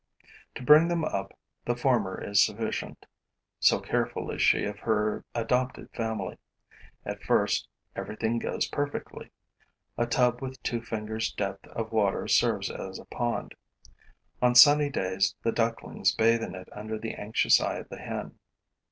To bring them up, the former is sufficient, so careful is she of her adopted family. At first, everything goes perfectly: a tub with two fingers' depth of water serves as a pond. On sunny days, the ducklings bathe in it under the anxious eye of the hen.